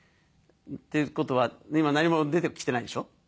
っていうことは今何も出てきてないでしょ？